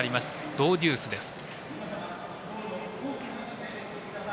ドウデュースです。